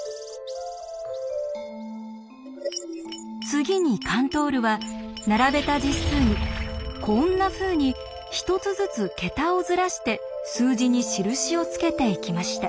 次にカントールは並べた実数にこんなふうに１つずつ桁をずらして数字に印をつけていきました。